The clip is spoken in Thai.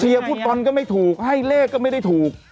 เชียวพูดตอนก็ไม่ถูกให้เลขก็ไม่ได้ถูก